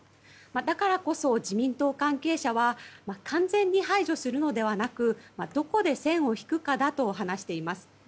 だからこそ、自民党関係者は完全に排除するのではなくどこで線を引くかだと話しています。